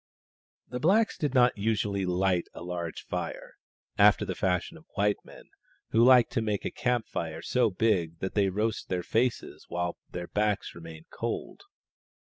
The blacks did not usually light a large fire, after the fashion of white men, who like to make a camp fire so big that they roast their faces while their backs remain cold.